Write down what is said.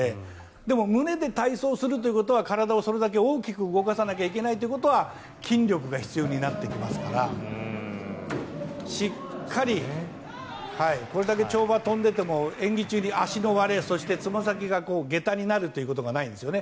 でも胸で体操するということは体をそれだけ大きく動かさないといけないということは筋力が必要になってきますからしっかりこれだけ跳馬を飛んでいても演技中に足の割れつま先が下駄になることがないんですね。